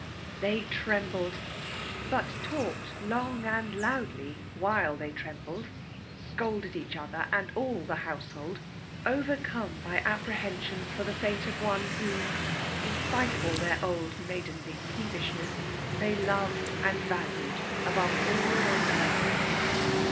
Th(^'k<0n(i bled, bat talked long and loudly while .tbey' 1»mbled^ — scolded' each other and all the householdj > overcome by apprehensions fbr the fate of one whom, in spite of all theit otd^^ maidenly peevishness^ they loved and valued above all on earth.